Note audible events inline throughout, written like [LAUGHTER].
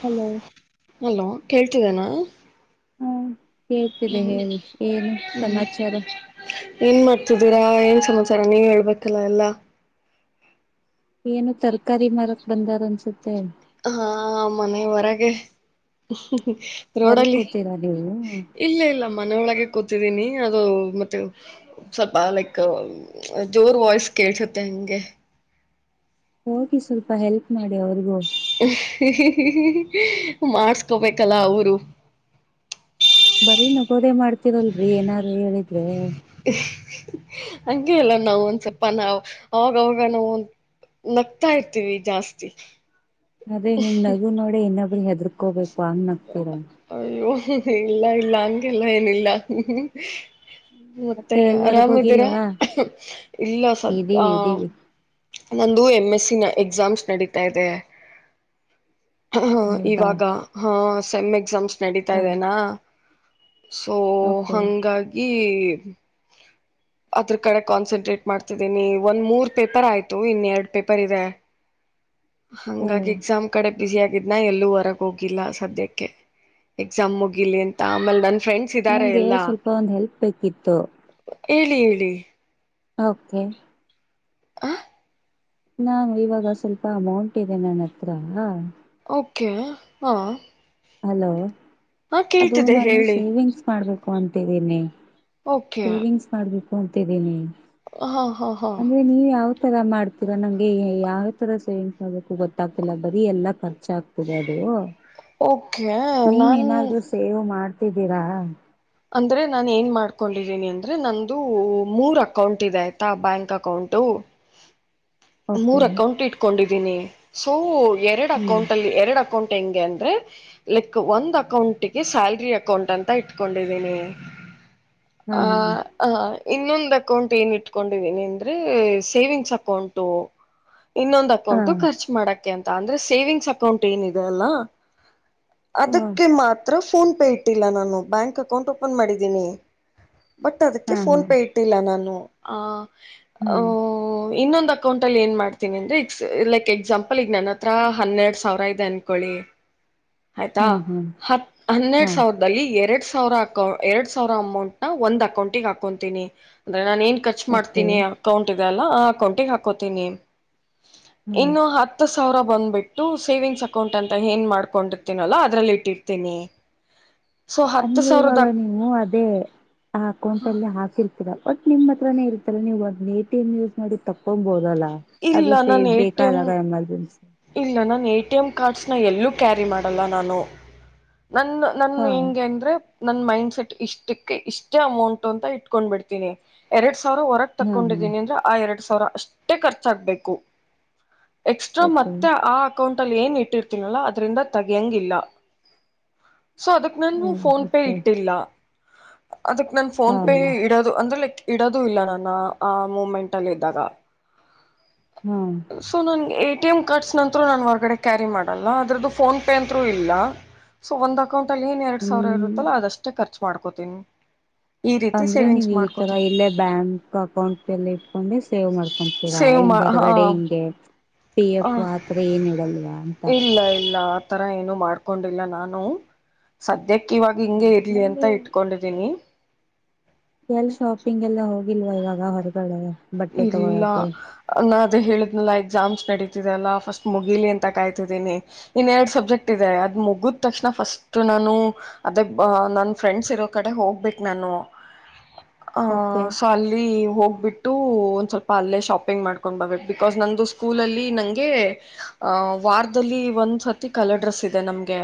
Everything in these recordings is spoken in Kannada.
ಹಲೋ ಕೇಳ್ತಿದನಾ ಹ್ಮ ಕೇಳ್ತಿದೆ ಹೇಳಿ ಏನು ಹ್ಮ್ ಸಮಾಚಾರ ಏನ್ ಮಾಡ್ತಿದ್ದೀರಾ ಏನ್ ಸಮಾಚಾರ ನೀವ್ ಹೇಳ್ಬೇಕಲ್ಲ ಎಲ್ಲಾ ಏನು ತರಕಾರಿ ಮಾರಕ್ ಬಂದಾರ ಅನ್ಸುತ್ತೆ ಹಾ ಮನೆ ಹೊರಗೆ ಹೊರಗ್ ರೋಡಲ್ಲಿ ಕೂತೀರಾ ನೀವು ಇಲ್ಲ ಇಲ್ಲ ಮನೆ ಒಳಗೆ ಕೂತಿದೀನಿ ಅದು ಮತ್ತೆ ಸ್ವಲ್ಪ ಲೈಕ್ ಪ್ಚ್ ಜೋರ್ ವಾಯ್ಸ್ ಕೇಳ್ಸುತ್ತೆ ಹಂಗೆ ಹೋಗಿ ಸ್ವಲ್ಪ ಹೆಲ್ಪ್ ಮಾಡಿ ಅವ್ರಿಗೂ ಹಹಹ ಮಾಡಸ್ಕೋಬೇಕಲ್ಲ ಅವರು ಬರೀ ನಗೋದೆ ಮಾಡ್ತೀರಲ್ರರಿ ಏನಾರು ಹೇಳಿದ್ರೆ ಹಹಹ ಹಂಗೆ ಇಲ್ಲ ನಾವ ಒಂದ್ ಸ್ವಲ್ಪ ನಾ ಅವಾಗವಾಗ ನಾವು ನಗ್ತಾ ಇರ್ತೀವಿ ಜಾಸ್ತಿ ಅದೇ ನಿಮ್ ನಗು ನೋಡ ಇನ ಹೆದರ್ಕೋಬೇಕು ಅನ್ನ ಅಯ್ಯೋ ಇಲ್ಲ ಇಲ್ಲ ಅಂಗಲ್ಲ ಏನ ಇಲ್ಲ ಮತ್ತೆ ಎಲ್ವರ್ಗ ಅರಾಮ್ದೀರಾ ಹೋಗಿಲ್ವಾ ಇಲ್ಲ ಸದ ಆ ಇದೀವಿ ಇದೀವಿ ನಂದು ಎಂ್ ಎಸ್ಸ ನ ಎಕ್ಸಾಮ್ಸ್ ನಡೀತಾ ಇದೆ ಹ ಹೌದಾ ಇವಾಗ ಹ ಸಮ್ಯ ಸಂಸ್ ಹ ನಡೀತಾ್ದೇನಾ ಸೊ ಓಕೆ ಹಂಗಾಗಿ ಅದ್ರ ಕಡೆ ಕಾನ್ಸಂಟ್ರೇಟ್ ಮಾಡ್ತಿದ್ದೀನಿ ಒಂದ್ ಮೂರ್ ಪೇಪರ್ ಆಯ್ತು ಇನ್ನೆರಡು ಪೇಪರ್ ಇದೆ ಓ ಹಂಗಾಗಿ ಎಕ್ಸಾಮ್ ಕಡೆ ಬಿಸಿ ಆಗ ಇದನ್ನ ಎಲ್ಲೂ ಹೊರಗೆ ಹೋಗಿಲ್ಲ ಸದ್ಯಕ್ಕೆ ಎಕ್ಸಾಮ್ ಮುಗಿಲಿ ಅಂತ ಆಮೇಲೆ ನನ್ ಫ್ರೆಂಡ್ಸ್ ಇದ್ದಾರೆ ನಂಗೆ ಎಲ್ಲಾ ಸ್ವಲ್ಪ ಒಂದ್ ಹೆಲ್ಪ್ ಬೇಕಿತ್ತು ಹೇಳಿ ಹೇಳಿ ಓಕೆ ಆ ನಾು ಇವಾಗ ಸ್ವಲ್ಪ ಅಮೌಂಟ್ ಇದೆ ನನ್ನ ಹತ್ರ ಓಕೆ ಹಾ ಹಲೋ ಹಾ ಅದು ಕೇಳ್ತಿದೆ ನಾನು ಹೇಳಿ ಸೇವಿಂಗ್ಸ್ ಮಾಡ್ಬೇಕು ಕೊಂತ ದನೆ ಓಕೆ ಸೇವಿಂಗ್ಸ್ ಮಾಡ್ಬೇಕಿು ಅಂತಿದೀನಿ ಹಾ ಹಾ ಹಾ ತರ ಮಾಡ್ತೀರಾ ನಮ್ಗೆ ಯಾವ್ ತರ ಸೇವಿಂಗ್ಸ್ ಮಾಡ್ಬೇಕು ಗೊತ್ತಾಗ್ತಿಲ್ಲ ಬರೀ ಎಲ್ಲಾ ಖರ್ಚ ಆಗ್ತದೆ ಅದು ಒಪ್ಪ ನೀವ ಏನಾದ್ರೂ ಸೇವೆ್ ಮಾಡ್ ಹಿದ್ದೀರಾ ಅಂದ್ರೆ ನಾನು ಏನ್ ಮಾಡ್ಕೊಂಡಿದ್ದೀನಿ ಅಂದ್ರೆ ನಂದುದು ಮೂರ್ ಅಕೌಂಟ್ ಇದೆ ಆಯ್ತಾ ಬ್ಯಾಂಕ್ ಅಕೌಂಟು ಓಕೆ ಮೂರ್ ಅಕೌಂಟ್ ಇಟ್ಕೊಂಡಿದ್ದೀನಿ ಸೋ ಎರಡು ಹ್ಮ್ ಅಕೌಂಟ್ ಅಲ್ಲಿ ಎರಡು ಅಕೌಂಟ್ ಹೆಂಗೆ ಅಂದ್ರೆ ಲೈಕ್ ಒಂದ್ ಅಕೌಂಟ್ಗೆ ಸ್ಯಾಲ್ರಿ ಅಕೌಂಟ್ ಅಂತ ಇ ಕೊಂಡಿದ್ದೀನಿ ಹಾ ಆ ಹ ಇನ್ನೊಂದು ಅಕೌಂಟ್ ಏನ ಇಟ್ಕೊಂಡಿದೀನಿ ಅಂದ್ರೆ ಸೇವಿಂಗ್ಸ್ ಅಕೌಂಟು ಇನ್ನೊಂದು ಹಾ ಅಕೌಂಟ್ ಖರ್ಚು ಮಾಡೋಕ್ಕೆೆ ಅಂತ ಅಂದ್ರೆ ಸೇವಿಂಗ್ಸ್ ಅಕೌಂಟ್ ಏನಿದೆ ಅಲ್ಲ ಹಾ ಅದಕ್ಕೆ ಮಾತ್ರ ಫೋನ್ ಪೇ ಇಟ್ಟಿಲ್ಲ ನಾನು ಬ್ಯಾಂಕ್ ಅಕೌಂಟ್ ಓಪನ್ ಮಾಡಿದ್ದೀನಿ ಬಟ್ ಅದಕ್ಕೆ ಹಾ ಹಾ ಫೋನ್ ಪೇ ಇಟ್ಟಿಲ್ಲ ನಾನು ಆ ಹಾ ಓ ಇನ್ನೊಂದ ಅಕೌಂಟ್ ಅಲ್ಲಿ ಏನ್ ಮಾಡ್ತೀನಿ ಅಂದ್ರೆ ಲೈಕ್ ಎಕ್ಸಾಂಪಲ್ ಈಗ ನನ್ನ ಹತ್ರಹನ್ನೆರಡು ಸಾವಿರ ಇದೆ ಅನ್ಕೊಳ್ಳಿ ಆಯ್ತಾ ಹಾ ಹಾ ಹತ್ ಹನ್ನೆರಡ್ ಹಾ ಸಾವಿರದಲ್ಲಿ ಎರಡ್ ಸಾ ಸಾವಿರ ಅಕೌ ಎರಡ್ ಸಾವಿರ ಅಮೌಂಟ್ ನ ಒಂದ್ ಅಕೌಂಟಿಗೆ ಹಾಕೊಂತೀನಿ ನಾನನ್ ಏನ್ ಖರ್ಚು ಓಕೆ ಮಾಡ್ತೀನಿ ಅಕೌಂಟ್ ಇದೆ ಆ ಅಕೌಂಟಿಗೆಹಾಕೋತೀನಿ ಹ್ಮ್ ಇನ್ನು ಹತ್ತು ಸಾವಿರ ಬಂದ್ಬಿಟ್ಟು ಸೇವಿಂಗ್ಸ್ ಅಕೌಂಟ್ ಅಂತ ಏನ್ ಮಾಡ್ಕೊಂಡಿರ್ತನಲ್ಲ ಅದ್ರಲ್ಲಿ ಇಟ್ಟಿರ್ತೀನಿ ಸೊ ಹತ್ತು ಅಂದ್ರೆ ಸಾವಿರದ ಇವಾಗ ನೀವು ಅದೇ ಆ ಅಕೌಂಟ ಅಲ್ಲಿ ಹಾಕಿಲ್ ಬಟ್ ನಿಮ್ ಹತ್ರನೇ ಇರ್ತಲ್ಲ ನೀವು ಎಟಿಎಂ ಯೂಸ್ ಮಾಡಿ ತಕೊಬೋದಲ್ಲಾ ಇಲ್ಲ ಅದು ಸೇ್ ನಾನು ಎ ಟಿ ಎಮ್ ಬೇಕಾದಾಗ ಎಮರ್ಜೆನ್ಸಿ ಇಲ್ಲ ನಾನ ಎ ಟಿ ಎಂ ಕಾರ್ಡ್ಸ್ ಎಲ್ಲೂ ಕ್ಯಾರಿ ಮಾಡಲ್ಲ ನಾನು ನನ್ನ ನನ್ ಹಾ ಹೆಂಗೆ ಅಂದ್ರೆ ನನ್ ಮೈಂಡ್ ಇಷ್ಟಕ್ಕೆ ಇಷ್ಟೇ ಅಮೌಂಟ್ ಅಂತ ಇಟ್ಕೊಂಡ್ ಬಿಡ್ತೀನಿ ಎರಡ್ ಸ ಸಾವಿರ ಹೊರ ಹಾ ಹಾ ತಕೊಂಡಿದ್ದೀನ ಅಂದ್ರೆ ಆ ಎರಡ್ ಸಾವಿರ ಅಷ್ಟೇ ಖರ್ಚಾಗಬೇಕು ಎಕ್ಸ್ಟ್ರಾ ಓಕೆ ಮತ್ತ ಮತ್ತೆ ಹಾ ಅಕೌಂಟ್ ಏನ್ ಇಟ್ಟಿರ್ತೀನಲ್ಲ ಅದರಿಂದ ತೆಗೆಯಂಗಿಲ್ಲ ಸೊ ಅದಕ್ ನಾನು ಹ್ಮ ಫೋನ್ ಪೇ ಓಕೆ ಇಟ್ಟಿಲ್ಲ ಅದಕ್ ನಾನ ಫೋನ್ ಹಾ ಪೇ ಇಡೋದು ಅಂದ್ರೆ ಲೈಕ್ ಇಡೋದು ಇಲ್ಲ ನಾನು ಆ ಮೂಮೆಂಟ್ ಅಲ್ಲಿ ಇದ್ದಾಗ ಹಾ ಸೋ ನನಗೆ ತಂ ಕಾರ್ಡ್ಸ್ ನಂತೂ ನಾನು ಹೊರಗಡೆ ಕ್ಯಾರಿ ಮಾಡಲ್ಲ ಅದ್ರದ್ದು ಫೋನ್ ಪೇ ಅಂತೂ ಇಲ್ಲ ಸೊ ಒಂದು ಅಕೌಂಟಲ್ಲಿ ಏನ್ ಎರಡ್ ಸಾವರ ಹ್ಮ್ ಇರುತ್ತಲ್ಲ ಅದಷ್ಟೆ ಖರ್ಚು ಮಾಡ್ಕೊತಿನ್ ಅಂದ್ರೆ ನೀವ್ ಈ ತರ ಇಲ್ಲೇ ಬ್ಯಾಂಕ್ ಅಕೌಂಟ್ ಇಲ್ಲಿ ಇಟ್ಕೊಂಡು ಸೇವ್ ಮಾಡ್ಕೊತೀರಾ ಸೇವ್ ಹಿಂಗ್ ಮಾ ಹಾ ಬರಗಡೆ ಹಿಂಗೆ ಪಿ ಹ ಎಫ್ ಆತರ ಏನ್ ಇಡಲ್ವಾ ಅಂತ ಇಲ್ಲ ಇಲ್ಲ ಆ ತರ ಏನು ಮಾಡ್ಕೊಂಡಿಲ್ಲ ನಾನು ಸ ದಕ್ ಇವಾಗ ಹಿಂಗೆ ಇರ್ಲಿ ಅಂತ ನಮ್ಗೆ ಇಟ್ಕೊಂಡಿದೀನಿ ಎಲ್ ಶಾಪಿಂಗೆಲ್ಲ ಹೋಗಿಲ್ವಾ ಇವಾಗ ಹೊರಗಡೆ ಬಟ್ಟೆ ಇಲ್ಲ ತಗೊಳಕೆ ಹಂಗ್ ಅದೇ ಹೇಳಿದ್ನಲ್ಲ ಆ ಎಕ್ಸಾಮ್ಸ್ ನಡತಿದೆ ಅಲ್ಲ ಫಸ್ಟ್ ಮುಗಿಲಿ ಅಂತ ಕಾಯ್ತಿದೀನಿ ಇನ್ನೆರಡು ಸಬ್ಜೆಕ್ಟ್ ಇದೆ ಅದ್ ಮುಗಿದ ತಕ್ಷಣ ಫಸ್ಟ್ ನಾನು ಅದ ನನ್ನ ಫ್ರೆಂಡ್ಸ್ ಇರೋ ಕಡೆ ಹೋಗ್ಬೇಕು ನಾನು ಹಹ ಓಕೆ ಸೊ ಅಲ್ಲಿ ಹೋಗ್ಬಿ ದೂ ಒಂದ್ ಸ್ವಲ್ಪ ಅಲ್ಲೇ ಶಾಪಿಂಗ್ ಮಾಡ್ಕೊಂಡ್ ಬರ್ಬೇಕು ಬಿಕಾಸ್ ನಂದು ಸ್ಕೂಲಲ್ಲಿ ನಂಗೆ ಅ ವಾರದಲ್ಲಿ ಒಂದ್ಸತಿ ಕಲರ್ ಡ್ರೆಸ್ ಇದೆ ನಮಗೆ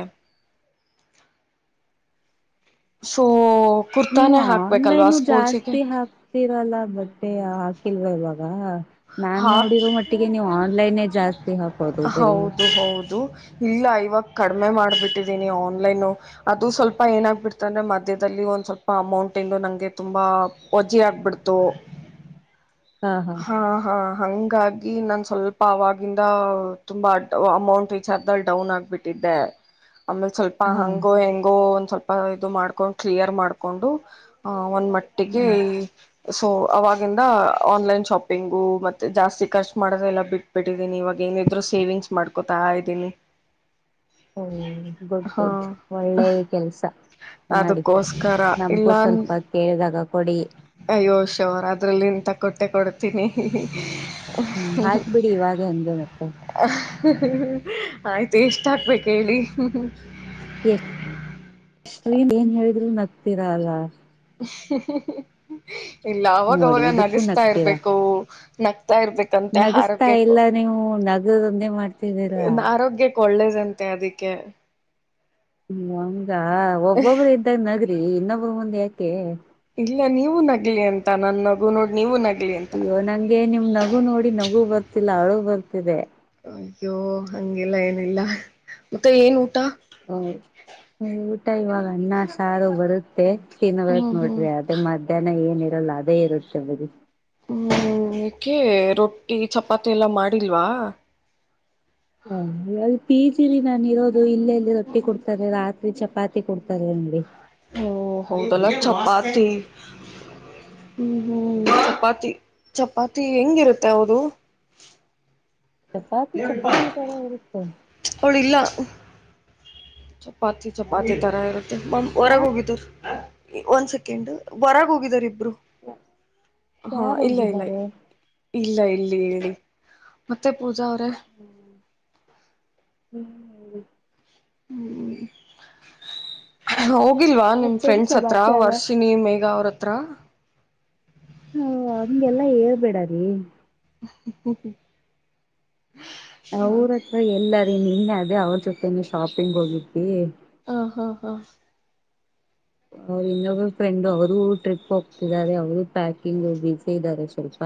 ಸೋ ನೀವು ಆನ್ಲೈನು ಜಾಸ್ತಿ ಹಾಕ್ತಿರಲ್ಲ ಬಟ್ಟೆ ಹಾಕಿಲ್ವ ಇವಾಗ ನಾನ್ ಹಾಕ್ ನೋಡಿರೋ ಮಟ್ಟಿಗೆ ನೀವು ಆನ್ಲೈನೇ ಜಾಸ್ತಿ ಹಾಕೊಳೋದು ಬರೀ ದು ಇಲ್ಲ ಇವಾಗ ಕಡಿಮೆ ಮಾಡ್ಬಿಟ್ಟಿದೀನಿ ಆನ್ಲೈನು ಅದು ಸ್ವಲ್ಪ ಏನಾಗಬಿಡ್ತ್ ಅಂದ್ರೆ ಮಧ್ಯದಲ್ಲಿ ಒಂದ್ ಸ್ವಲ್ಪ ಅಮೌಂಟ್ ಇಂದು ನಂಗೆ ತುಂಬಾ ವಜೆ ಆಗ್ಬಿಡ್ತು ಹಾ ಹಾ ಹ ಹಾಗಾಗಿ ನನ್ ಸ್ವಲ್ಪ ಅವಾಗಿಂದ ತುಂಬಾ ಅಮೌಂಟ್ ವಿಚಾರದಲ್ಲಿ ಡೌನ್ ಆಗ್ಬಿಟ್ಟಿದ್ದೆ ಆಮೇಲೆ ಸ್ವಲ್ಪ ಹಾ ಹಂಗೋ ಹೆಂಗೋ ಒಂದ್ ಸ್ವಲ್ ಇದು ಮಾಡ್ಕೊಂಡು ಕ್ಲಿಯರ್ ಮಾಡ್ಕೊಂಡು ಒಂದ್ ಮಟ್ಟಿಗೆ ಹ್ಮ್ ಸೊ ಅವಾಗಿಂದ ಆನ್ಲೈನ್ ಶಾಪಿಂಗು ಮತ್ತೆ ಜಾಸ್ತಿ ಖರ್ಚ್ ಮಾಡೋದೆೆಲ್ಲ ಬಿಟ್ಟಬಿಟ್ಟಿದ್ದೀನಿ ಇವಾಗ ಏನಿದ್ರು ಸೇವಿಂಗ್ಸ್ ಮಾಡ್ಕೊತಾ ಇದ್ದೀನಿ ಓ ಗುಡ್ ಹಾ ಗುಡ್ ಒಳ್ಳೆ ಕೆಲ್ಸ, ಮಾಡಿ ಅದಕ್ಕೋಸ್ಕರ ಇಲ್ಲ ನಮ್ಗೂ ಸ್ವಲ್ಪ ಕೇಳಿದಾಗ ಕೊಡಿ ಅಯ್ಯೋ ಶೋರ್ ಅದ್ರಲ್ಲಿ ಇಂತ ಕೊಟ್ಟೆ ಕೊಡು [UNINTELLIGIBLE] ಹ್ಮ್ ಆಯ್ತ್ ಬಿಡಿ ಇವಾಗ ಹಂಗೆ ಮತ್ತೆ ಆಯ್ತು ಎಸ್ಟ್ ಹಾಕ್ಬೇಕ್ ಹೇಳಿ ಏನ್ ಹೇಳಿದ್ರರು ನಗ್ತೀರ ಅಲ [UNINTELLIGIBLE] ಇಲ್ಲ ನೋಡಿ ಅವಗವಗ ಇದಕ್ಕೂ ನಗಿಸ್ತಾ ನಗ್ತೀರಾ ಇರ್ಬೇಕೂ ನ ನಗಸ್ತಾ ಇಲ್ಲ ನೀವು, ನಗೊದೊಂದೇ ಮಾಡ್ತಿದ್ದೀರಾ. ಆರೋಗ್ಯಕ್ಕೆ ಒಳ್ಳೇದಂತೆ ಅದಕ್ಕೆ ಹ [UNINTELLIGIBLE] [UNINTELLIGIBLE] ಒಬ್ಬೊಬ್ಬರು ಇದ್ದಾಗ ನಗರಿ, ಇನ್ನೊಬ್ರ ಮುಂದೆ ಯಾಕ್ ಹ [UNINTELLIGIBLE] ಇಲ್ಲ, ನೀವು ನಗಲಿ ಅಂತ ನನ್ನ ನಗು ನೋಡಿ ನೀವು ನಗಲಿ ಅಯ್ಯೋ, ನಂಗೆ ನಿಮ್ ನಗು ನೋಡಿ ನಗು ಗೊತ್ತ ಇಲ್ಲ ಅಳು ಬರ್ತಿದೆ. ಅಯ್ಯೋ, ಹಂಗೆಲ್ಲ ಏನಿಲ್ಲ. ಮತ್ತೆ ಏನ್ ಊಟ? ಊಟ ಇವಾಗ ಅನ್ನ ಸಾರು ಬರುತ್ತೆ. ತಿನ್ಬೇಕ್ ಹ್ಮ್ ಹ್ಮ್ ನೋಡ್ರಿ, ಅದು ಮಧ್ಯಾಹ್ನ ಏನ್ ಎಲ್ಲ ಅದೇ ಇರುತ್ತೆ ಬಿಡಿ. ಹ್ಮ್ ಏಕೆ? ರೊಟ್ಟಿ, ಚಪಾತಿ ಎಲ್ಲಾ ಮಾಡಿಲ್ವಾ? ಹ, ಅಲ್ಲಿ ಪೀಜಿ ರಿ ನಾನು ಇರೋ ಇಲ್ಲಿ ಎಲ್ ರೊಟ್ಟಿ ಕೊಡ್ತಾರೆ? ರಾತ್ರಿ [UNINTELLIGIBLE] ಚಪಾತಿ ಕೊಡ್ತಾರೆ ಏನ್ರಿ? ಓ ಹೌದಲ್ಲ, ಚಪಾತಿ. ಹ್ಮ ಹ್ಮ, ಚಪಾತಿ ಚಪಾತಿ ಹೆಂಗಿರುತ್ತೆ ಹೌದು? ಚಪಾತಿ ಚಪಾತಿ ತರ ಇರುತ್ತೆ. ಅವಳು ಇಲ್ಲ ಚಪಾತಿ ಚಪಾತಿ ತರ ಇ [UNINTELLIGIBLE] [UNINTELLIGIBLE] ಯಾರ್ ಹೊರಗ್ ಹೋಗಿದರ. ಒಂದ್ ಸೆಕೆಂಡ್, ಹೊರಗ್ ಹೋಗಿದ್ದಾರೆ ಇಬ್ [UNINTELLIGIBLE] ಹ ಯಾರ್ ಇಲ್ಲ ಇಲ್ಲ. ಹೋಗಿದ್ದಾರೆ ಇಲ್ಲ ಇ ಇಲ್ಲಿ ಹೇಳಿ, ಮತ್ತೆ ಪೂರ್ತ್ ಜರ [UNINTELLIGIBLE] ಹ್ಮ್ ಹ್ಮ್. [UNINTELLIGIBLE] [UNINTELLIGIBLE] ಗಿಲ್ವಾ ನಿಮ್ ಮತ್ತೇನ್ ಫ್ರೆಂಡ್ಸ್ ಹತ್ರ, ಸಮಾಚಾರ ವರ್ಷಿನಿ ಮೇಘ ಅವ್ರ [UNINTELLIGIBLE] ತ್ರ ಹ, ಹಂಗೆಲ್ಲಾ ಹೇಳ್ಬೇಡಾರೀ. ಹ ಹ [UNINTELLIGIBLE] ಅವ್ರತ್ರ ಎಲ್ಲಾರಿ, ನಿನ್ನೆ ಅದೇ, ಅವ್ರ ಜೊತೆೇನೆ ಶಾಪಿಂಗ್ ಹೋಗಿದ್ವಿ ಹಾ ಹಾ ಹಾ ಅವರು ಇನ್ನೊಬ್ಬ ಫ್ರೆಂಡು ಅವರು ಟ್ರಿಪ್ ಹೋಗ್ತಿದ್ದಾರೆ. ಅವರು ಪ್ಯಾಕಿಂಗಲ್ ಬಿಸೀ ಇದ್ದಾರೆ ಸ್ವಲ್ಪ.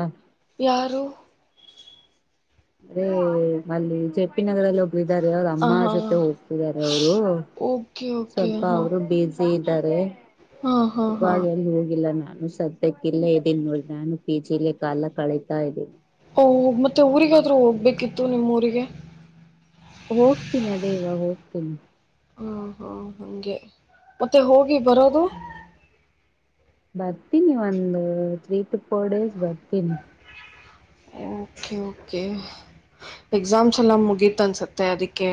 ಯಾರು? ೇ [UNINTELLIGIBLE] ಮಲ್ಲಿ ಚ [UNINTELLIGIBLE] ಉಪ್ಪ [UNINTELLIGIBLE] ನಗರದಲ್ಲಿ ಒಬ್ರಿದಾರೆ. ಅವ್ರ ಹ ಅಮ್ಮ ಹಾ ಜೊತೆ ಹೋಗ್ತಿದ್ದಾರೆ ಅವರು. ಓಕೆ ಓಕೆ ಸ್ವಲ್ಪ ಹಾ ಅವರು ಬೇಜ [UNINTELLIGIBLE] ಇದ್ದಾರೆ. ಹಾ ಹಾ ಹಾ ಆಗ ಎಲ್ಲಿ ಹೋಗಿಲ್ಲ ನಾ ನಾನು ಸದ್ಯಕ್ಕ ಇಲ್ಲೇ ಇದ್ದೀನಿ ನೋಡಿ ನಾನು ಪಿಜಿಲೆ ಕಾಲ ಕಳಿತಾ ಇದ್ದೀನಿ ಮತ್ತೆ ಊರಿಗಾದ್ರೂ ಹೋಗ್ಬೇಕಿತ್ತು ನಿಮ್ಮ ಊರಿಗೆ ಹೋಗ್ತೀನಿ ಅದೇ ಇವ ಹೋಗ್ತೀನಿ ಹ್ಮ ಹ್ಮ ಹಗೆ ಮತ್ತೆ ಹೋಗ್ ಬರೋದು ಬರ್ತೀನಿ ಒಂದು ತ್ರತ್ರೀ ಟು ಫೋರ್ ಡೇಸ್ ಬರ್ತೀನಿ ಓಕೆ ಓಕೆ ಎಕ್ಸಾಮ್ಸ್ ಎಲ್ಲ ಮುಗೀತ ಅನ್ಸುತ್ತೆ ಅದಕ್ಕೆ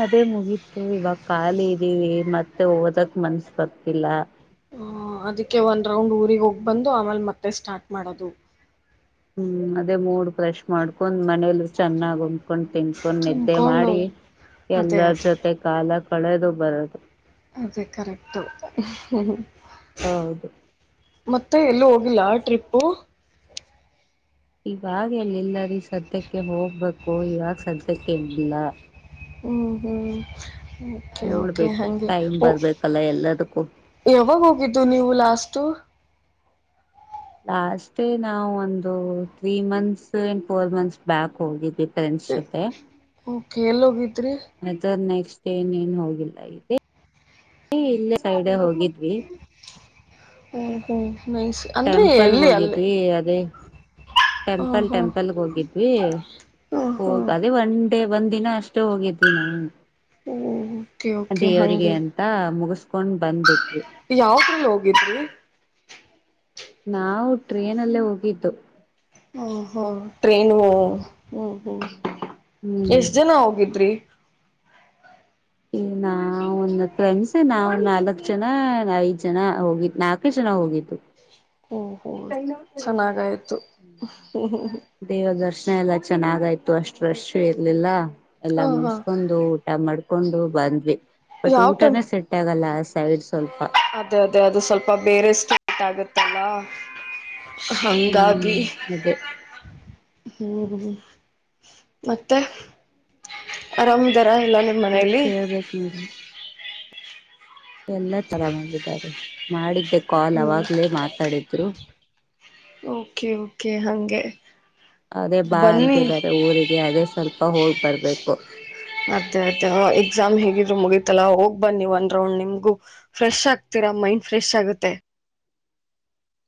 ಅದೇ ಮುಗೀತು ಇವಾಗ ಖಾಲಿ ಇದೀವಿ ಮತ್ತೆ ಓದಕ್ ಮನ್ಸ್ ಬರ್ತಿಲ್ಲ ಹ ಅದಕ್ಕೆ ಒಂದು ರೌಂಡ್ ಊರಿಗೆ ಹೋಗಿ ಬಂದು ಆಮೇಲೆತ್ತೆ ೆ ಸ್ಟಾರ್ಟ್ ಮಾಡೋದು ಹ್ಮ್ ಅದೇ ಮೂಡ್ ಫ್ರಶ್ ಮಾಡ್ಕೊಂಡ್ ಮನೇಲ್ ಚೆನ್ನಾಗ ಉಂಡ್ ಕಕೊಂಡ್ ತಿನ್ಕೊಂಡ್ ನಿದ್ದೆ ತಿನ್ಕೊಂಡು ಮಾಡಿ ಅದೇ ಎಲ್ಲರ ಅದೇ ಜೊತೆ ಕಾಲ ಪಳೆದು ಬರದು ಅದೇ ಕರೆಕ್ಟು ಹೌದು ಮತ್ತೆ ಎಲ್ಲೂ ಹೋಗಿಲ್ಲ ಟ್ರಿಪ್ಪು ಇವಾಗ ಎಲ್ಲಿಲ್ಲಾರಿೀ ಸದ್ಯಕ್ಕೆ ಹೋಗ್ಬೇಕು ಕಯವಾಗ ಸಂತ ಕೇಿಲ್ಲ ಹ್ಮ್ ಹ್ಮ್ ಓಕೆ ಓಕೆ ನೋಡ್ಬೇಕು ಹಗೆ ಟೈಮ್ ಓ ಬರ್ಬೇಕಲ್ಲ ಎಲ್ಲದಕ್ಕೂ ಯಾವಾಗ ಹೋಗಿದ್ದು ನೀವು ಲಾಸ್ಟ್ ತ್ತುು ಲಾಸ್ೇ ನಾವವು ಒಂದು three months and four months back ಹೋಗು ಕಲ್ ಹೋಗತ್ರಿ ನೇನೆನ ಹೋಗಿಲ್ಲ ಇ ಇಲ್ಲ ಸೈಡ್ ಹೋಗಿದ್ವಿ ಹ್ಮ ಹ್ಮ್ ಮೈಸ್ ಅಂದ್ರೆ ಟೆಂಪಲ್ಗೆ ಎಲ್ಲಿ ಅಲ್ಲಿ ಹೋಗಿದ್ವಿ ಅದೇ ಹಾಂ ಟೆಂಪಲ್ ಹಾಂ ಟೆಂಪಲ್ಗೆ ಹೋಗಿದ್ವಿ ಹಾಂ ಹೋಗ ಹಾಂ ಅದೇ ಒ ಅತ್ತೇ ಒಂದ್ ದಿನ ಅಷ್ಟು ಹೋಗಿದ್ವಿ ನಾವು ಓಕೆ ಓಕೆ ದೇವರಿಗೆ ಅಂತ ಮುಗಿಸತ ಕೊಂಡ್ ಬಂದಿ ಯಾವದ್ರ ಲೋಗ ಹಗಿದಿ ನಾವು ಟ್ರೇನ್ಲ್ಲೇ ಹೋಗಿದ್ದು ಹ ಹ ಟ್ರೇನು ಹ್ಮ್ ಹ್ಮ್ ಹ್ಮ್ ಎಷ್ಟ್ ಜನ ಹೋಗಿದ್ರಿ ಈ ನಾವ ಒಂದ ಕಮ್ಸ ನಾವಂದ್ ನಾಲ್ಕ್ ಜನ ಐದ್ ಜನ ಹೋಗಿದ ನಾಲ್ಕು ಜನ ಹೋಗಿದ್ದು ಓಹೋ ಚೆನ್ನಾಗಾಯ್ತು ದೇವದರ್ಶ ಎಲ್ಲ ಚೆನ್ನಾಗಾಯ್ತು ಅಷ್ಟು ರಶ್ ಇರ್ಲಿಲ್ಲ ಎಲ್ಲ ಹ ಹಾ ಮುಗಸ್ಕೊಂಡು ಊಟ ಮಾಡ್ಕ ಕಕೊಂಡು ಬಂದ್ವಿ [UNINTELLIGIBLE] ಬಟ್ ಯಾವ ಟೈಮ್ ಊಟನ ಸೆಟ್ ಆಗಲ್ಲ ಸೈಡ್ ಸ್ವಲ್ಪ ಅದೇ ಅದೇ ಅದು ಸ್ವಲ್ಪ ಬೇರೆಷ್ಟುಗೋತ್ತಾಗತ ತಲ ಹ್ಮ್ ಹಂಗಾಬಿ ಅದೇ ಹ್ಮ್್ಮ ಮತ್ತೆ ಆರಾಮ್ದಾರ ಇಲ್ಲ ನಿಮ್ಮ ಮತ್ ಮನೇಲಿ ಹೇಳ್ಬೇಕ್ ಎಲ್ಲ ತರಾಮಗಿದ್ದಾರೆ ಮಾಡಿದ್ದ [UNINTELLIGIBLE] ಕಾಲ್ ಹ್ಮ್ ಅವಾಗ್ಲೇ ಮಾತಾಡಿದ್ರು ಓಕೆ ಓಕೆ ಹಂಗೆ ಅದೇ ಬಾ ಬನ್ನಿ ಅಂತಿದ್ದಾರೆ ಊರಿಗೆ ಅದೇ ಸ್ವಲ್ಪ ಹೋಗ್ ಬರ್ಬೇಕು ಮುಗಿತಲ್ಲಾ ಹೋಗ್ ಬನ್ನಿವು ಒಂದ್ ರೌಂಡ್ ನಿಮ್ಗು ಫ್ರೆಶ್ ಆಗ್ತೀರಾ ಮೈಂಡ್ ಫ್ರೆಶ್ ಆಗುತ್ತೆ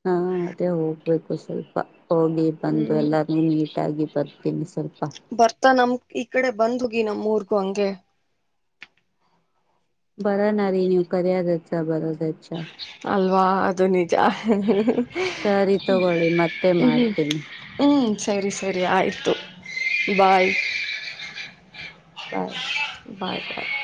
ಹಾ ಅದೇ ಹೋಗ್ಬೇಕು ಸ್ವಲ್ಪ ಹೋಗಿ ಬಂದು ಹ್ಮ್ ಎಲ್ಲಾನ ಮೀಟಾಗಿಬ ಸ್ವಲ್ಪ ಬರ್ತಾ ನಮ್ ಈ ಕಡೆ ಬಂದ್ ಹೋಗಿ ನಮ್ಮೂರ್ಗೂ ಹಂಗೆ ಬರೋನ ರೀ ನೀವ್ ಕರಿಯಾದ ಹೆಚ್ಚಾ ಬರೋದ ಹೆಚ್ಚಾ ಅಲ್ವಾ ಜನ ಜ [UNINTELLIGIBLE] ಸರಿ ತಗೊಳ್ಳಿ ಮತ್ತೆ ಮಾಡ್ತೀನಿ ಹ್ಮ್ ಸರಿ ಸರಿ ಆಯಿತು ಬಾಯ್ ಬಾಯ್ ಬಾಯ್ ಬಾಯ್